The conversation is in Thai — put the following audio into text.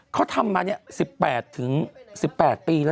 เขาทำมาเนี่ย๑๘ปี